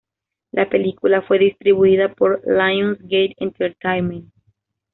La película fue distribuida por Lions Gate Entertainment.